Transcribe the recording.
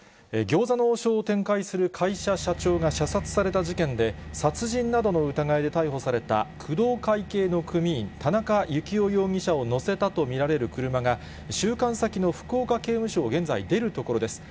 餃子の王将を展開する会社社長が射殺された事件で、殺人などの疑いで逮捕された、工藤会系の組員、田中幸雄容疑者を乗せたと見られる車が、収監先の福岡刑務所を現在、出る所です。